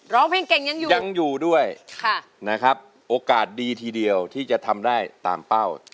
ร้องเพลงเก่งยังอยู่ยังอยู่ด้วยนะครับโอกาสดีทีเดียวที่จะทำได้ตามเป้า